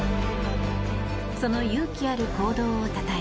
その勇気ある行動をたたえ